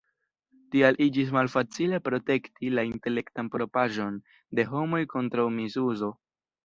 Tial iĝis malfacile protekti la "intelektan propraĵon" de homoj kontraŭ misuzo.